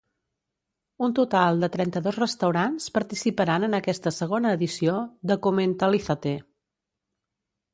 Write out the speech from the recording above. Un total de trenta-dos restaurants participaran en aquesta segona edició de ‘Comentalízate’.